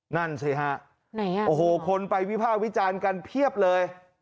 นั่นสิฮะโอ้โหคนไปวิภาควิจารณ์กันเพียบเลย